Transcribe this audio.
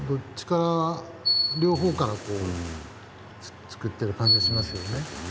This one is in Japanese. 両方から作ってる感じがしますよね。